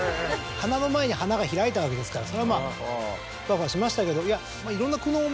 花の前に花が開いたわけですからそれはまぁフワフワしましたけど。